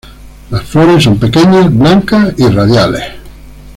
Las flores son pequeñas, blancas y radiales.